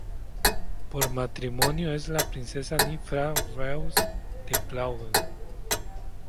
Por matrimonio es la princesa Anni-Frid Reuss de Plauen.